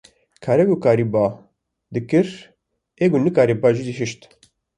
Karê ku kariba dikir ê ku nekariba jî dihişt.